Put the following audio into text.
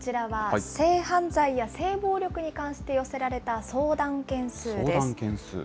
こちらは性犯罪や性暴力に関して寄せられた相談件数です。